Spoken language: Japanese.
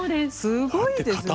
すごいですね。